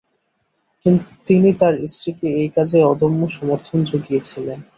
তিনি তাঁর স্ত্রীকে এই কাজে অদম্য সমর্থন জুগিয়েছিলেন।